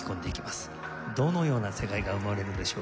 どのような世界が生まれるのでしょうか。